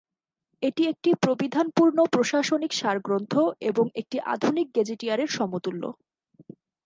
এটি একটি প্রবিধানপূর্ণ প্রশাসনিক সারগ্রন্থহ এবং একটি আধুনিক গেজেটিয়ার এর সমতুল্য।